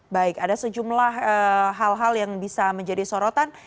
baik ada sejumlah hal hal yang bisa menjadi sorotan